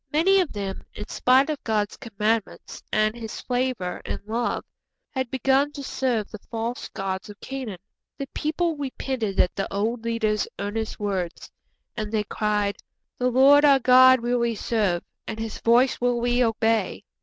Many of them, in spite of God's commandments and His favour and love, had begun to serve the false gods of Canaan. The people repented at the old leader's earnest words, and they cried, '_The Lord our God will we serve, and His voice will we obey.